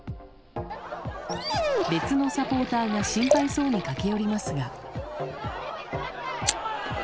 別のサポーターが心配そうに駆け寄りますが。